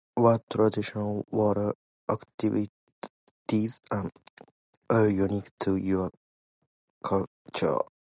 What traditionally water activities ar- are unique to your culture?